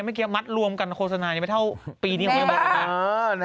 ไม่เคยมัดรวมกันโฆษณาอย่างนี้ไปเท่าปีนี้ของมียาบอลล่ะ